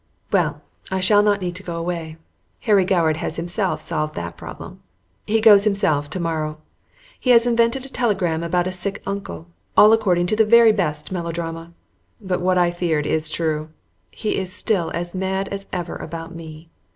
Well, I shall not need to go away. Harry Goward has himself solved that problem. He goes himself to morrow. He has invented a telegram about a sick uncle, all according to the very best melodrama. But what I feared is true he is still as mad as ever about me.